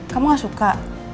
kamu gak suka